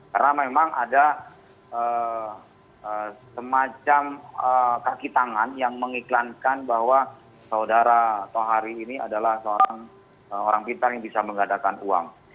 karena memang ada semacam kaki tangan yang mengiklankan bahwa saudara tohari ini adalah seorang pintar yang bisa menggandakan uang